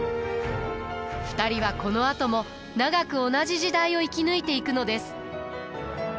２人はこのあとも長く同じ時代を生き抜いていくのです。